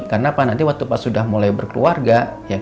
karena nanti waktu pas sudah mulai berkeluarga